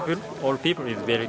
tidak begitu sulit